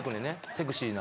セクシーな。